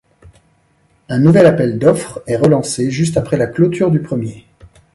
Un nouvel appel d'offres est relancé juste après la clôture du premier.